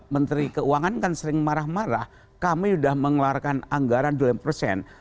menteri keuangan kan sering marah marah kami sudah mengeluarkan anggaran delapan persen